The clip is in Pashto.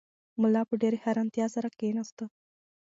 ملا په ډېرې حیرانتیا سره کښېناست.